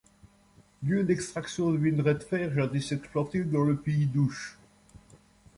Lieu d'extraction de minerai de fer, jadis exploité dans le pays d'Ouche.